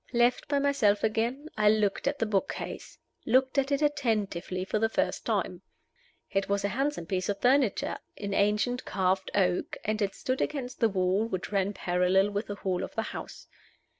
Left by myself again, I looked at the book case looked at it attentively for the first time. It was a handsome piece of furniture in ancient carved oak, and it stood against the wall which ran parallel with the hall of the house.